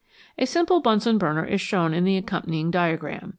A simple Bunsen burner is shown in the accompanying diagram.